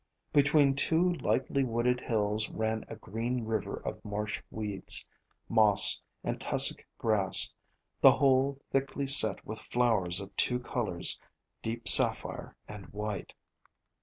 Between two lightly wooded hills ran a green river of marsh weeds, moss and tussock grass, the whole thickly set with flowers of two colors, — deep sapphire and white.